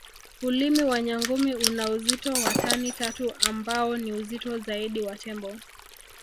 Ulimi wa nyangumi una uzito wa tani tatu ambao ni uzito zaidi wa Tembo